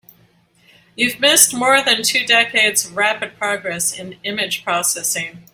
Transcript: You have missed more than two decades of rapid progress in image processing.